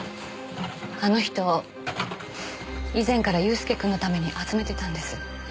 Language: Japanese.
あの人以前から祐介くんのために集めてたんです。